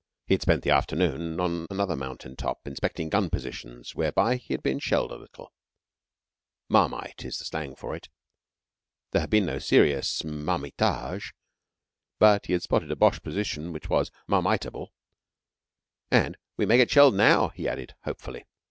He had spent the afternoon on another mountain top, inspecting gun positions; whereby he had been shelled a little marmite is the slang for it. There had been no serious marmitage, and he had spotted a Boche position which was marmitable. "And we may get shelled now," he added, hopefully.